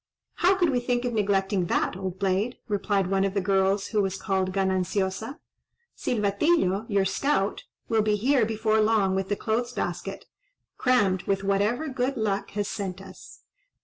"How could we think of neglecting that, old blade!" replied one of the girls, who was called Gananciosa. "Silvatillo, your scout, will be here before long with the clothes basket, crammed with whatever good luck has sent us."